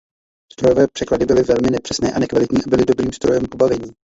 Strojové překlady byly velmi nepřesné a nekvalitní a byly dobrým zdrojem pobavení.